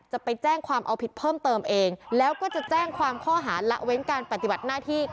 จะไปแจ้งความเอาผิดเพิ่มเติมเองแล้วก็จะแจ้งความข้อหาละเว้นการปฏิบัติหน้าที่